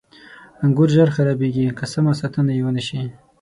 • انګور ژر خرابېږي که سمه ساتنه یې ونه شي.